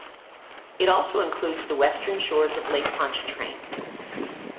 It also includes the western shores of Lake Pontchartrain.